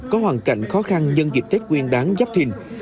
có hoàn cảnh khó khăn nhân dịch tết quyên đáng dắp thịnh